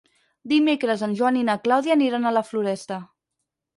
Dimecres en Joan i na Clàudia aniran a la Floresta.